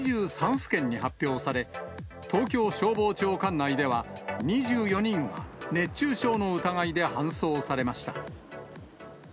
府県に発表され、東京消防庁管内では２４人が熱中症の疑いで搬送されました。